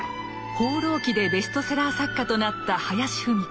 「放浪記」でベストセラー作家となった林芙美子。